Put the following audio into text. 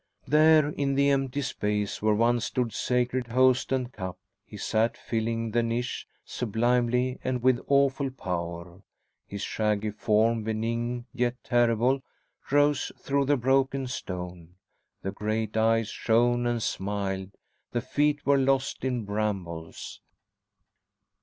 There, in the empty space, where once stood sacred Host and Cup, he sat, filling the niche sublimely and with awful power. His shaggy form, benign yet terrible, rose through the broken stone. The great eyes shone and smiled. The feet were lost in brambles.